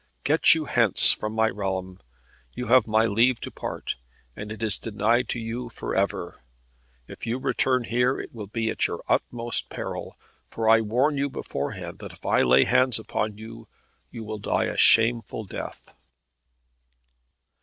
Get you hence from my realm. You have my leave to part, and it is denied to you for ever. If you return here it will be at your utmost peril, for I warn you beforehand that if I lay hands upon you, you will die a shameful death."